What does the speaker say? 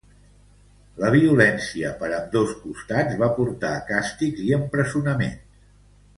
La violència per ambdós costats va portar a càstigs i empresonaments.